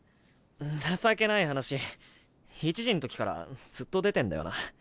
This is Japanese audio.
情けない話１次んときからずっと出てんだよな。